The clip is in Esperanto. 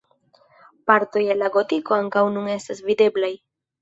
Partoj el la gotiko ankaŭ nun estas videblaj.